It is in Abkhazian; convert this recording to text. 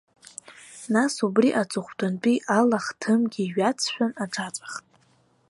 Нас убри аҵыхәтәантәи алахҭымгьы ҩаҵшәан, аҽаҵәахт.